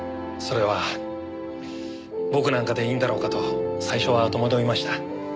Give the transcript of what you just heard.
それは僕なんかでいいんだろうかと最初は戸惑いました。